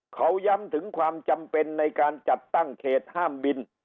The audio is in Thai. เขาย้ำถึงความจำเป็นในการจัดตั้งเขตห้ามบิน